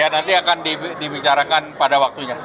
ya nanti akan dibicarakan pada waktunya